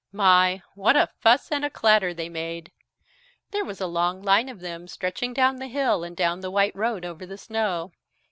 My what a fuss and a clatter they made! There was a long long line of them, stretching down the hill and down the white road over the snow.